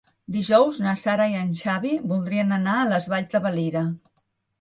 Dijous na Sara i en Xavi voldrien anar a les Valls de Valira.